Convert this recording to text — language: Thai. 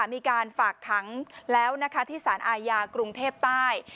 มีการฝากขังแล้วนะคะที่สารอาญากรุงเทพใต้